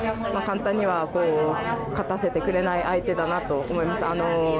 簡単には勝たせてくれない相手だなと思いました。